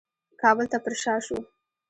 کابل ته پرشا شو.